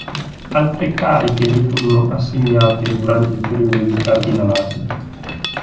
Altre cariche gli furono assegnate durante il periodo di cardinalato.